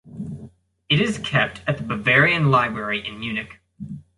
It is kept at the Bavarian library in Munich.